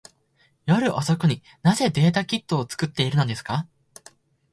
夜遅くに、なぜデータセットを作っているのですか。